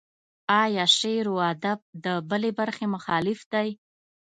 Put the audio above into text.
ایا شعر و ادب د بلې برخې مخالف دی.